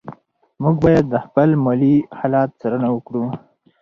موږ باید د خپل مالي حالت څارنه وکړو.